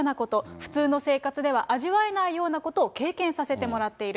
普通の生活では味わえないようなことを経験させてもらっている。